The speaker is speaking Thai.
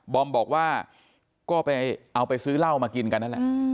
อมบอกว่าก็ไปเอาไปซื้อเหล้ามากินกันนั่นแหละ